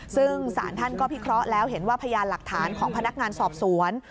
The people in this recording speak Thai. ซึ่งสารท่านก็พิเคราะห์แล้วเห็นว่าพยานหลักฐานของพนักงานสอบสวน